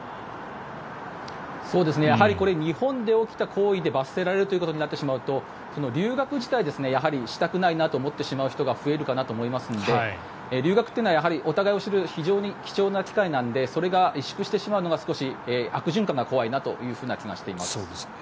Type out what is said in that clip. やはりこれ日本で起きた行為で罰せられるということになってしまうと留学自体、したくないなと思ってしまう人が増えるかなと思ってしまいますので留学というのはお互いを知る非常に貴重な機会なのでそれが萎縮してしまうのが少し悪循環が怖いなという気がしています。